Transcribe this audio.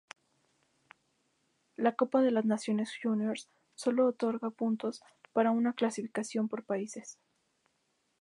La Copa de las Naciones Juniors sólo otorga puntos para una clasificación por países.